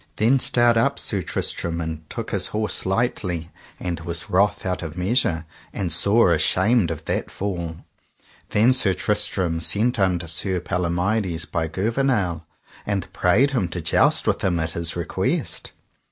Then stert up Sir Tristram and took his horse lightly, and was wroth out of measure, and sore ashamed of that fall. Then Sir Tristram sent unto Sir Palomides by Gouvernail, and prayed him to joust with him at his request.